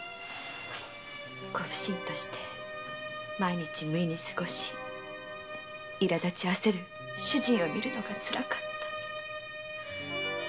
小普請として毎日を無為に過ごしいらだち焦る主人を見るのがつらかった。